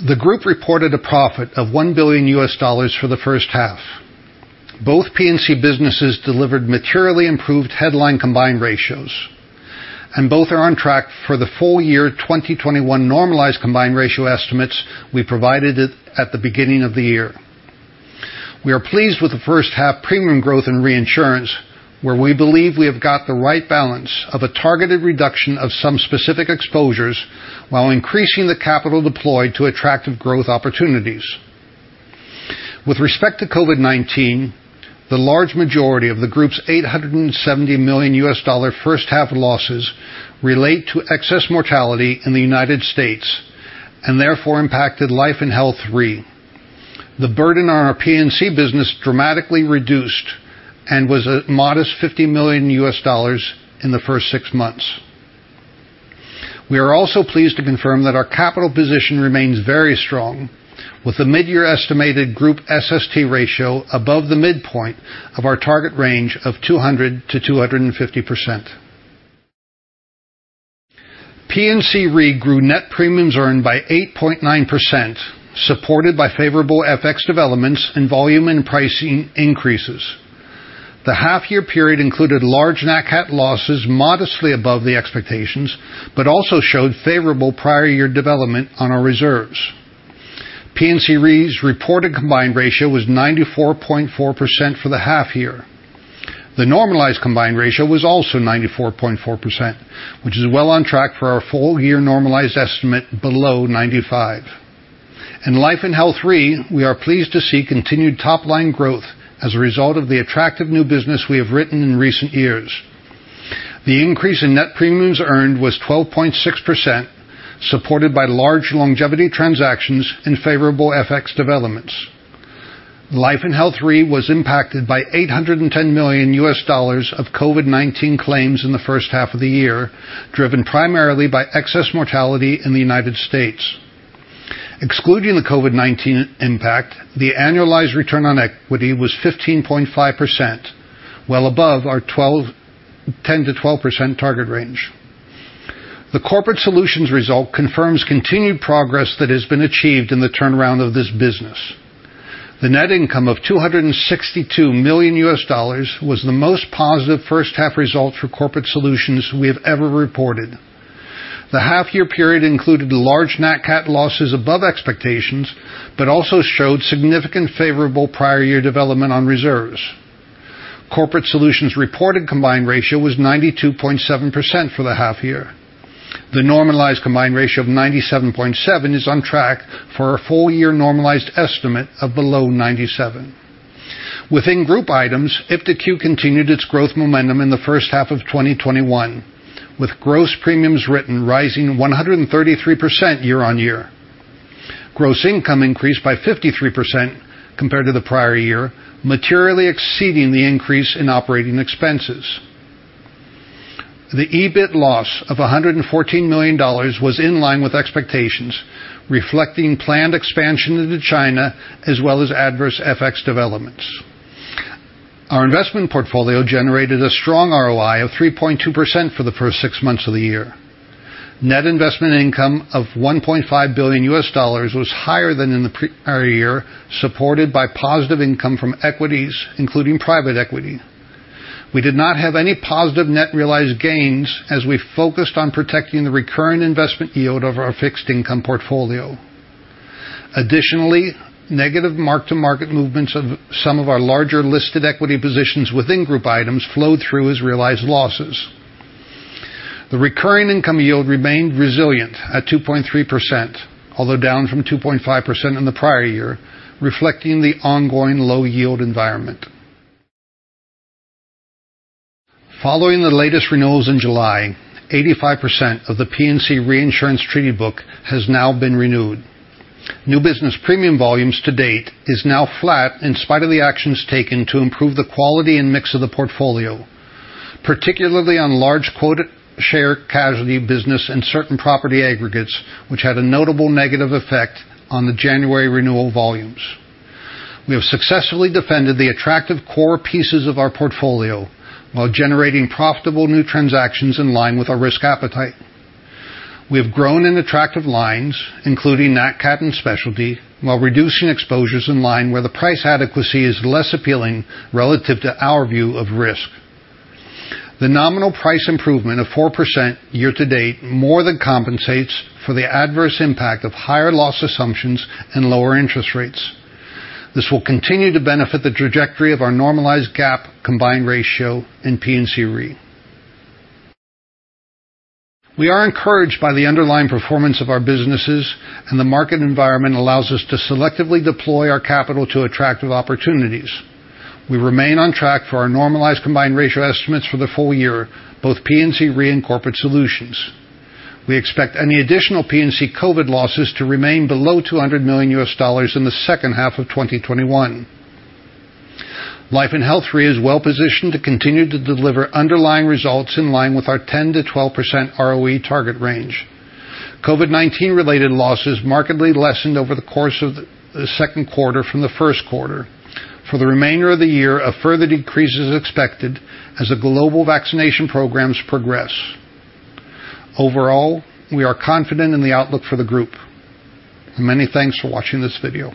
The group reported a profit of $1 billion for the first half. Both P&C businesses delivered materially improved headline combined ratios, and both are on track for the full year 2021 normalized combined ratio estimates we provided at the beginning of the year. We are pleased with the first half premium growth in reinsurance, where we believe we have got the right balance of a targeted reduction of some specific exposures, while increasing the capital deployed to attractive growth opportunities. With respect to COVID-19, the large majority of the group's $870 million first half losses relate to excess mortality in the United States, and therefore impacted Life & Health Re. The burden on our P&C business dramatically reduced and was a modest $50 million in the first six months. We are also pleased to confirm that our capital position remains very strong with the mid-year estimated group SST ratio above the midpoint of our target range of 200%-250%. P&C Re grew net premiums earned by 8.9%, supported by favorable FX developments and volume and pricing increases. The half-year period included large NatCat losses modestly above the expectations but also showed favorable prior year development on our reserves. P&C Re's reported combined ratio was 94.4% for the half year. The normalized combined ratio was also 94.4%, which is well on track for our full year normalized estimate below 95%. In Life & Health Re, we are pleased to see continued top-line growth as a result of the attractive new business we have written in recent years. The increase in net premiums earned was 12.6%, supported by large longevity transactions and favorable FX developments. Life & Health Re was impacted by $810 million of COVID-19 claims in the first half of the year, driven primarily by excess mortality in the United States. Excluding the COVID-19 impact, the annualized return on equity was 15.5%, well above our 10%-12% target range. The Corporate Solutions result confirms continued progress that has been achieved in the turnaround of this business. The net income of $262 million was the most positive first half result for Corporate Solutions we have ever reported. The half-year period included large NatCat losses above expectations but also showed significant favorable prior year development on reserves. Corporate Solutions reported combined ratio was 92.7% for the half year. The normalized combined ratio of 97.7% is on track for a full year normalized estimate of below 97%. Within group items, iptiQ continued its growth momentum in the first half of 2021, with gross premiums written rising 133% year-on-year. Gross income increased by 53% compared to the prior year, materially exceeding the increase in operating expenses. The EBIT loss of $114 million was in line with expectations, reflecting planned expansion into China, as well as adverse FX developments. Our investment portfolio generated a strong ROI of 3.2% for the first six months of the year. Net investment income of $1.5 billion was higher than in the prior year, supported by positive income from equities, including private equity. We did not have any positive net realized gains as we focused on protecting the recurring investment yield of our fixed income portfolio. Additionally, negative mark-to-market movements of some of our larger listed equity positions within group items flowed through as realized losses. The recurring income yield remained resilient at 2.3%, although down from 2.5% in the prior year, reflecting the ongoing low yield environment. Following the latest renewals in July, 85% of the P&C Reinsurance treaty book has now been renewed. New business premium volumes to date is now flat in spite of the actions taken to improve the quality and mix of the portfolio, particularly on large quota share casualty business and certain property aggregates, which had a notable negative effect on the January renewal volumes. We have successfully defended the attractive core pieces of our portfolio while generating profitable new transactions in line with our risk appetite. We have grown in attractive lines, including NatCat and specialty, while reducing exposures in line where the price adequacy is less appealing relative to our view of risk. The nominal price improvement of 4% year to date more than compensates for the adverse impact of higher loss assumptions and lower interest rates. This will continue to benefit the trajectory of our normalized GAAP combined ratio in P&C Re. We are encouraged by the underlying performance of our businesses, and the market environment allows us to selectively deploy our capital to attractive opportunities. We remain on track for our normalized combined ratio estimates for the full year, both P&C Re and Corporate Solutions. We expect any additional P&C COVID-19 losses to remain below $200 million in the second half of 2021. Life & Health Re is well-positioned to continue to deliver underlying results in line with our 10%-12% ROE target range. COVID-19 related losses markedly lessened over the course of the second quarter from the first quarter. For the remainder of the year, a further decrease is expected as the global vaccination programs progress. Overall, we are confident in the outlook for the group. Many thanks for watching this video.